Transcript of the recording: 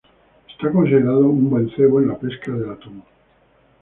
Es considerado un buen cebo en la pesca del atún.